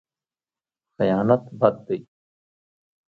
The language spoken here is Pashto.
خیانت بد دی.